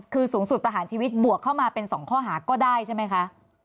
คือสูงสุดประหารชีวิตบวกเข้ามาเป็น๒ข้อหาก็ได้ใช่ไหมคะ